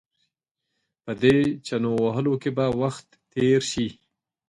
په دې چنو وهلو کې به وخت تېر شي.